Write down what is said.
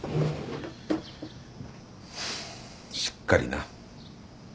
しっかりな。